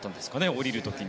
下りる時に。